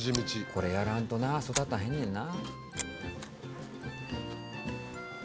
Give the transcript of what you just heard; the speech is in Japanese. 「これやらんとな育たへんねんな」